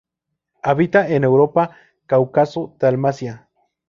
Habita en Europa, Cáucaso, Dalmacia.